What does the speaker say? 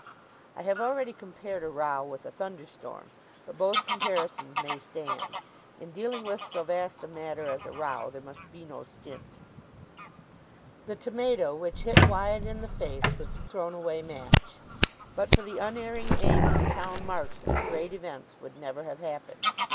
(I have already compared a row with a thunderstorm; but both comparisons may stand. In dealing with so vast a matter as a row there must be no stint.) The tomato which hit Wyatt in the face was the thrown away match. But for the unerring aim of the town marksman great events would never have happened.